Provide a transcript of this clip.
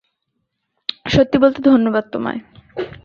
সত্যি বলতে, ধন্যবাদ তোমায়।